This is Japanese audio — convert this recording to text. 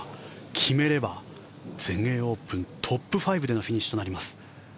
決めれば全英オープントップ５でのフィニッシュとなります。